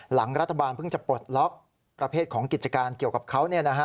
หลังรัฐบาลเพิ่งจะปลดล็อกประเภทของกิจการเกี่ยวกับเขา